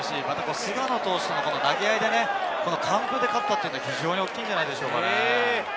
菅野投手との投げ合いでね、完封で勝ったのは非常に大きいんじゃないでしょうか。